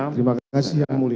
terima kasih yang mulia